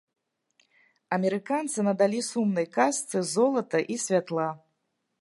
Амерыканцы надалі сумнай казцы золата і святла.